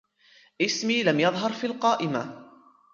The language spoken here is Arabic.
اسمي لم يظهر في القائمة.